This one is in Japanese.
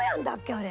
あれ。